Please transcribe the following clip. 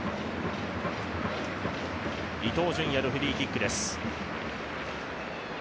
伊東純也のフリーキックです。